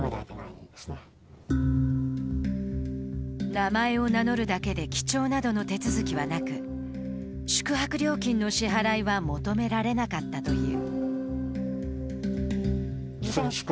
名前を名乗るだけで記帳などの手続きはなく宿泊料金の支払いは求められなかったという。